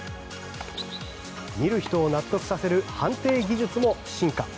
見る人を納得させる判定技術も進化。